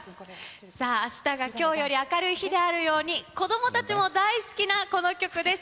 さあ、あしたがきょうより明るい日であるように、子どもたちも大好きなこの曲です。